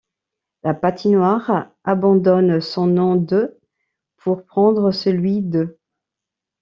La patinoire abandonne son nom de ' pour prendre celui de '.